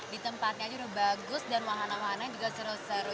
di tempatnya aja udah bagus dan wahana wahana juga seru seru